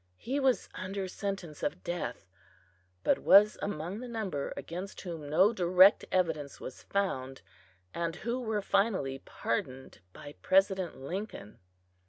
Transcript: He was under sentence of death, but was among the number against whom no direct evidence was found, and who were finally pardoned by President Lincoln.